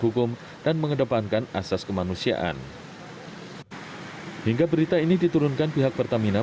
hukum dan mengedepankan asas kemanusiaan hingga berita ini diturunkan pihak pertamina